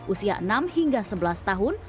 usia enam hingga sebelas tahun